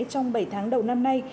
trong bảy tháng đầu năm nay